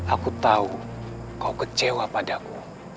aku tahu kau kecewa padaku